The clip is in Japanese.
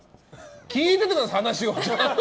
聞いててください、話を。